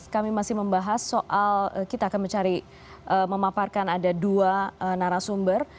kami masih membahas soal kita akan mencari memaparkan ada dua narasumber